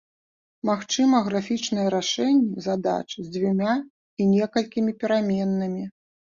Магчыма графічнае рашэнне задач з дзвюма і некалькімі пераменнымі.